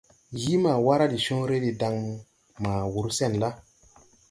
Yii ma waara de cõõre de dan ma wur sen la.